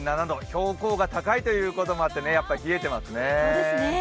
標高が高いということもあってやっぱり冷えてますね。